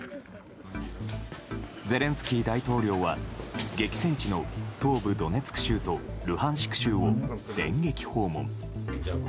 ゼレンスキー大統領は激戦地の東部ドネツク州とルハンシク州を電撃訪問。